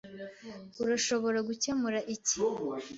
Urashobora gukemura iki?